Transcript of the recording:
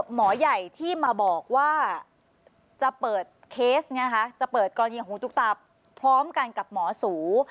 หมอใหญ่ที่มาบอกว่าจะเปิดเคสจะเปิดกรณีของตุ๊กตาพร้อมกันกับหมอสู